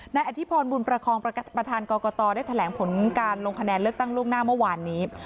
นายอธิพรบุญประคองประธานกรกตได้แถลงผลการลงคะแนนเลือกตั้งล่วงหน้าเมื่อวานนี้